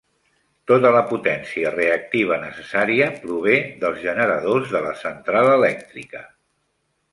Tota la potència reactiva necessària prové dels generadors de la central elèctrica.